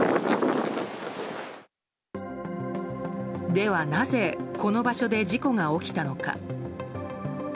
では、なぜこの場所で事故が起きたのか。